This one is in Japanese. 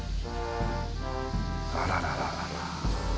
あららららら。